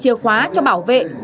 chìa khóa cho bảo vệ